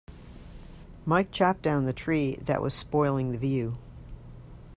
Mike chopped down the tree that was spoiling the view